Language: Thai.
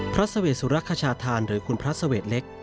พระเสวสุรคชาธานหรือคุณพระเสวดเล็ก